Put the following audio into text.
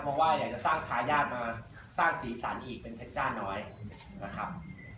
เพราะว่าอยากจะสร้างทายาทมาสร้างสีสันอีกเป็นเพชรจ้าน้อยนะครับ